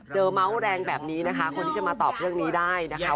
เมาส์แรงแบบนี้นะคะคนที่จะมาตอบเรื่องนี้ได้นะคะ